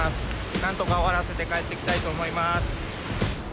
なんとか終わらせて帰ってきたいと思います。